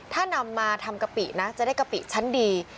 ถ้านำมาทำกะปินะจะได้กะปิชั้นดี